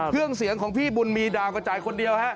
เครื่องเสียงของพี่บุญมีดาวก็จ่ายคนเดียวฮะ